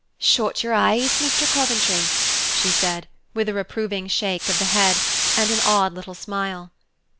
"Shut your eyes, Mr. Coventry," she said, with a reproving shake of the head, and an odd little smile.